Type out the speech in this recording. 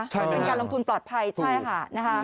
มันเป็นการลงทุนปลอดภัยใช่ค่ะ